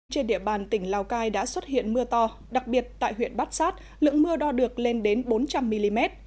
trên địa bàn tỉnh lào cai đã xuất hiện mưa to đặc biệt tại huyện bát sát lượng mưa đo được lên đến bốn trăm linh mm